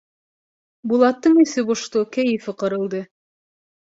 Булаттың эсе бошто, кәйефе ҡырылды.